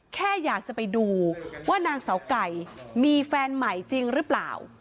แค่อยากจะไปดูว่านางเสาไก่มีแฟนใหม่จริงหรือเปล่า